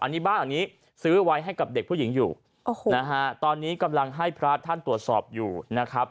อันนี้บ้านอันนี้ซื้อไว้ให้กับเด็กผู้หญิงอยู่โอ้โหนะฮะตอนนี้กำลังให้พระท่านตรวจสอบอยู่นะครับ